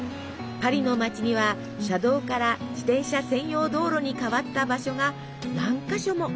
パリの街には車道から自転車専用道路に変わった場所が何か所も。